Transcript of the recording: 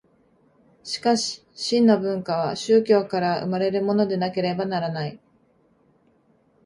しかし真の文化は宗教から生まれるものでなければならない。